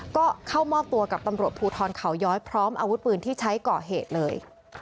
ก็เข้ามอบตัวกับตำรวจภูทรเขาย้อยพร้อมอาวุธปืนที่ใช้ก่อเหตุเลย